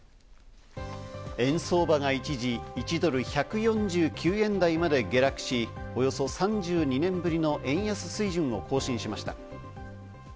円相場が一時、１ドル＝１４９円台まで下落し、およそ３２年ぶりの円安水準を更新しました。